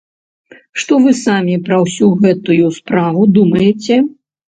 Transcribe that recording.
Што вы самі пра ўсю гэтую справу думаеце?